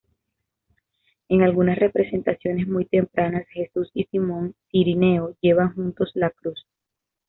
En algunas representaciones muy tempranas, Jesús y Simón Cirineo llevan juntos la cruz.